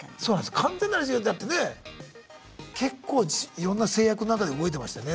完全なる自由だってね結構いろんな制約の中で動いてましたよね。